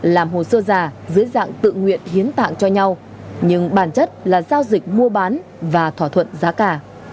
làm hồ sơ giả dưới dạng tự nguyện hiến tạng cho nhau nhưng bản chất là giao dịch mua bán và thỏa thuận giá cả